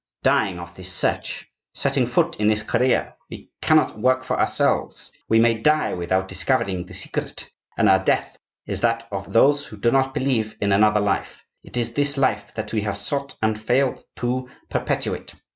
—dying of this Search. Setting foot in this career we cannot work for ourselves; we may die without discovering the Secret; and our death is that of those who do not believe in another life; it is this life that we have sought, and failed to perpetuate.